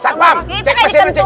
kenapa sampai habis